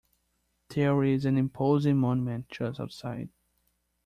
There is an imposing monument just outside.